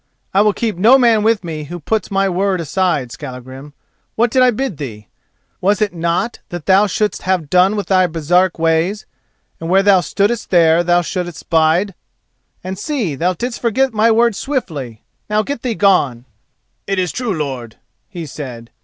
"I will keep no man with me who puts my word aside, Skallagrim. What did I bid thee? Was it not that thou shouldst have done with the Baresark ways, and where thou stoodest there thou shouldst bide? and see: thou didst forget my word swiftly! Now get thee gone!" "It is true, lord," he said.